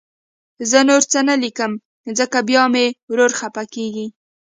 زه نور څه نه لیکم، ځکه بیا مې ورور خفه کېږي